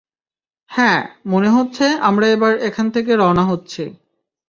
হ্যাঁ, মনে হচ্ছে আমরা এবার এখান থেকে রওয়ানা হচ্ছি।